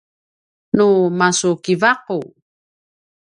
nu masukiva’u